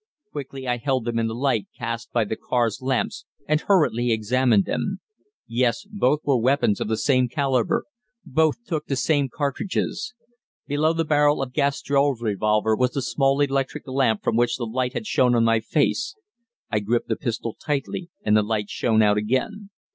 Quickly I held them in the light cast by the car's lamps and hurriedly examined them. Yes, both were weapons of the same calibre, both took the same cartridges. Below the barrel of Gastrell's revolver was the small electric lamp from which the light had shone on to my face. I gripped the pistol tightly and the light shone out again.